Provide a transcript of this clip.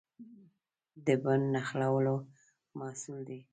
دین نښلولو محصول دی.